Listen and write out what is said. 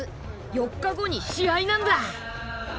４日後に試合なんだ。